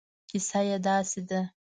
کیسه یې داسې ده.